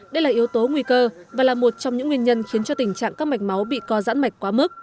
đây là yếu tố nguy cơ và là một trong những nguyên nhân khiến cho tình trạng các mạch máu bị co giãn mạch quá mức